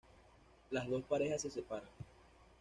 Las dos parejas se separan.